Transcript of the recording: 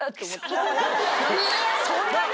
そんなに？